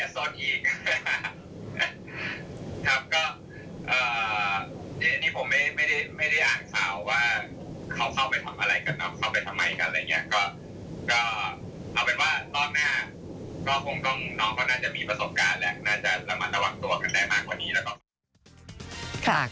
รอกหน้าน้องก็น่าจะมีประสบการณ์และน่าจะระมัดระวังตัวกันใหม่